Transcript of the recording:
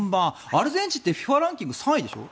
アルゼンチンってＦＩＦＡランキング３位でしょ。